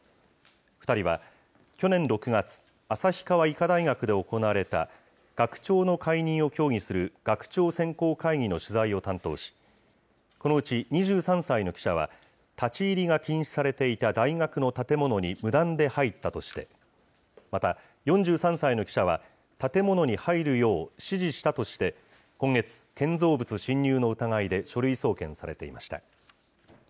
２人は、去年６月、旭川医科大学で行われた、学長の解任を協議する学長選考会議の取材を担当し、このうち２３歳の記者は、立ち入りが禁止されていた大学の建物に無断で入ったとして、また、４３歳の記者は、建物に入るよう指示したとして、今月、建造物侵入の疑いで書類送検されていました。